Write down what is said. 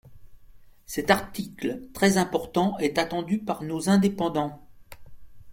Cet article très important est attendu par nos indépendants.